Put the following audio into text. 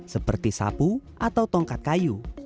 seperti sapu atau tongkat kayu